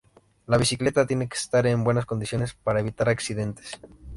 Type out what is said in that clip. La bicicleta tiene que estar en buenas condiciones para evitar accidentes.